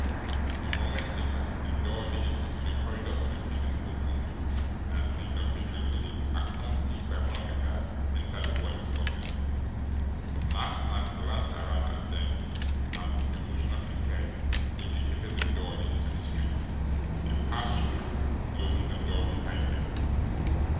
A moment later the door leading into the corridor of the prison opened, and Signor Petrozinni, accompanied by one of the guards, entered the warden's office. The masked man glanced around at them, and with a motion of his head indicated the door leading to the street. They passed through, closing the door behind them.